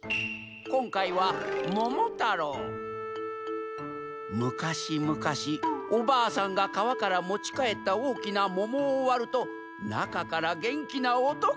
こんかいはむかしむかしおばあさんがかわからもちかえったおおきなももをわるとなかからげんきなおとこのこが。